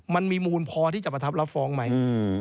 มันมีมูลพอที่จะประทับรับฟ้องไหม